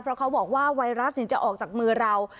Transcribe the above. เพราะเขาบอกว่าไวรัสจะออกจากมือเรา